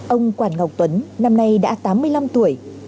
ông quản ngọc tuấn năm nay đã tám mươi năm tuổi